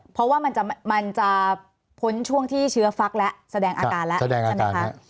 เพราะว่ามันจะพ้นช่วงที่เชื้อฟักแล้วแสดงอาการแล้วใช่ไหมคะ